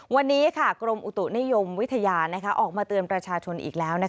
วันนี้กรมอุตุนิยมวิทยาออกมาเตือนประชาชนอีกแล้ว